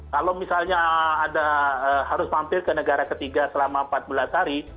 kalau misalnya ada harus mampir ke negara ketiga selama empat belas hari